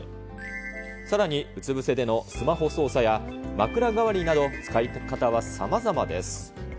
さらに、うつ伏せでのスマホ操作や、枕代わりなど、使い方はさまざまです。